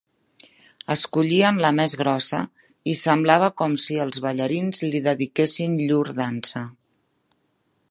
Escollien la més grossa i semblava com si els ballarins li dediquessin llur dansa.